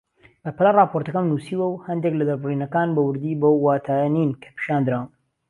بەپەلە راپۆرتەکەم نووسیوە و هەندێک لە دەربڕینەکان بە وردی بەو واتایە نین کە پیشاندراون